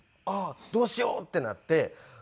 あっどうしようってなって。